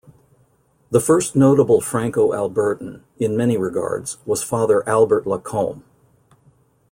The first notable Franco-Albertan, in many regards, was Father Albert Lacombe.